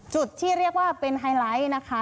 ที่เรียกว่าเป็นไฮไลท์นะคะ